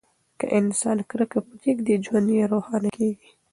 که انسان کرکه پریږدي، ژوند یې روښانه کیږي.